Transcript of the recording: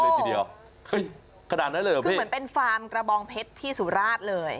โอ้โหคือเหมือนเป็นฟาร์มกระบองเพชรที่สุราธเลย